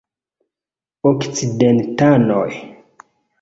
Okcidentanoj.